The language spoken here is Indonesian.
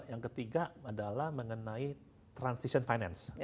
yang ketiga adalah mengenai transition finance